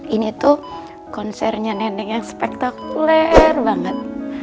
ini tuh konsernya nenek yang spektakuler banget